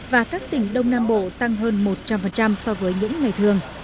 và các tỉnh đông nam bộ tăng hơn một trăm linh so với những ngày thường